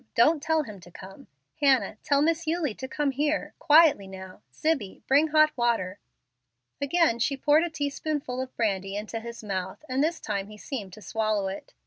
Don't tell him to come. Hannah, tell Miss Eulie to come here quietly now. Zibbie, bring hot water." Again she poured a teaspoonful of brandy into his mouth, and this time he seemed to swallow it.